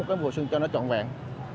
một cái vui xuân cho nó trọn vẹn